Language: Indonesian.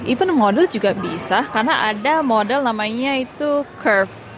even model juga bisa karena ada model namanya itu curve